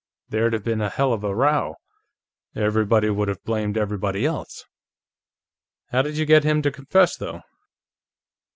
There'd have been a hell of a row; everybody would have blamed everybody else.... How did you get him to confess, though?"